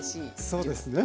そうですね。